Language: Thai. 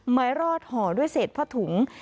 รอดห่อด้วยเศษผ้าถุง